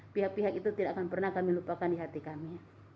pihak pihak itu tidak akan pernah kami lupakan di hati kami